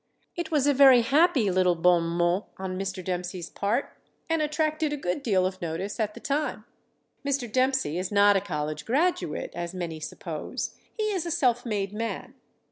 It was a very happy little bon mot on Mr. Dempsey's part, and attracted a good deal of notice at the time. Mr. Dempsey is not a college graduate, as many suppose. He is a self made man.